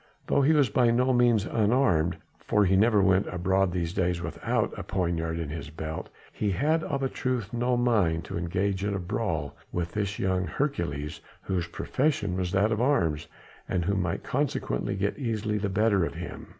Though he was by no means unarmed for he never went abroad these days without a poniard in his belt he had, of a truth, no mind to engage in a brawl with this young Hercules whose profession was that of arms and who might consequently get easily the better of him.